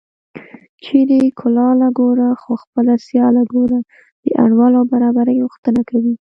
چېرې کلاله ګوره خو خپله سیاله ګوره د انډول او برابرۍ غوښتنه کوي